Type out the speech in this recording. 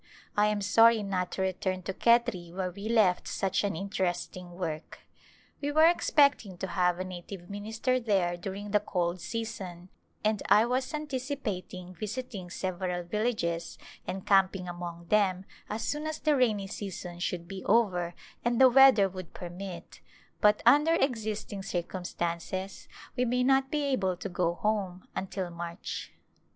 I am sorry not to return to Khetri where we left such an interesting work. We were expect ing to have a native minister there during the cold season, and I was anticipating visiting several villages and camping among them as soon as the rainy season should be over and the weather would permit, but under existing circumstances we may not be able to go home until March.